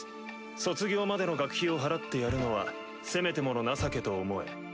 「卒業までの学費を払ってやるのはせめてもの情けと思え」。